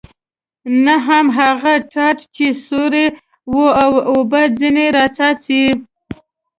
نه هم هغه ټاټ چې سوری و او اوبه ځنې را څاڅي.